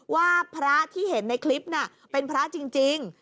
ว่าพระที่เห็นในคลิปน่ะเป็นพระจริง